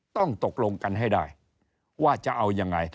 ตกลงกันให้ได้ว่าจะเอายังไง